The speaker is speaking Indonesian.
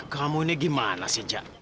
kamu ini gimana sih jak